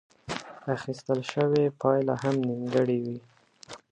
اخيستل شوې پايله هم نيمګړې وه.